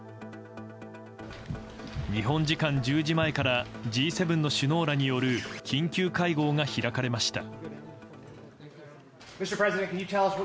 日本時間１０時前からＧ７の首脳らによる緊急会合が開かれました。